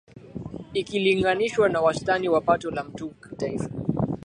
ikilinganishwa na wastani wa pato la mtu Kitaifa